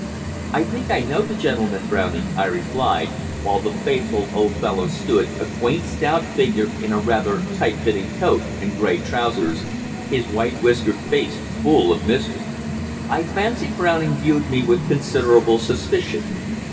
"I think I know the gentleman, Browning," I replied, while the faithful old fellow stood, a quaint, stout figure in a rather tight fitting coat and grey trousers, his white whiskered face full of mystery. I fancy Browning viewed me with considerable suspicion.